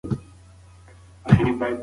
که انسانانو یو بل ته انصاف ورکړي، کرکه کمېږي.